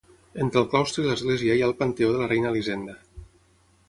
Entre el claustre i l'església hi ha el panteó de la reina Elisenda.